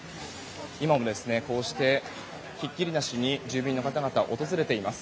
今もこうしてひっきりなしに住民の方が訪れています。